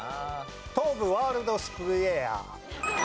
東武ワールドスクウェア。